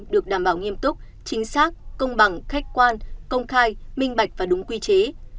được đảm bảo nghiêm túc chính xác công bằng khách quan công khai minh bạch và đúng quy chế